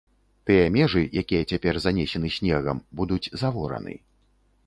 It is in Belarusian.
Тыя межы, якія цяпер занесены снегам, будуць завораны.